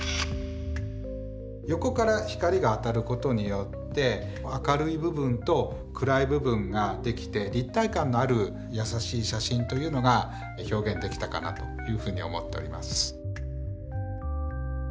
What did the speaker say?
横から光が当たることによって明るい部分と暗い部分が出来て立体感のあるやさしい写真というのが表現できたかなというふうに思っております。